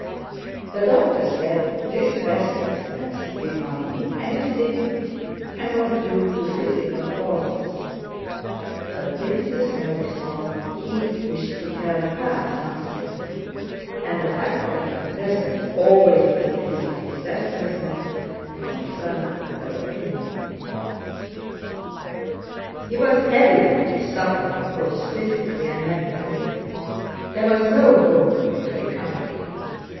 The doctor said this restlessness did not mean anything and was due to physical causes; but Princess Mary thought he wished to tell her something, and the fact that her presence always increased his restlessness confirmed her opinion. He was evidently suffering both physically and mentally. There was no hope of recovery.